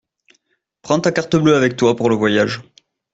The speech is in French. Prends ta carte bleue avec toi pour le voyage.